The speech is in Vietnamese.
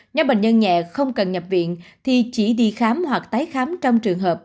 nhóm bệnh nhân nhẹ không cần nhập viện thì chỉ đi khám hoặc tái khám trong trường hợp